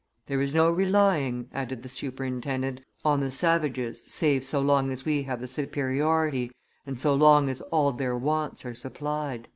There is no, relying," added the superintendent, "on the savages save so long as we have the superiority, and so long as all their wants are supplied."